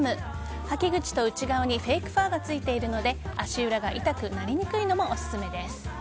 履き口と内側にフェイクファーがついているので足裏が痛くなりにくいのもオススメです。